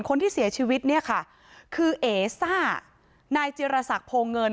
คนที่เสียชีวิตเนี่ยค่ะคือเอซ่านายจิรษักโพเงิน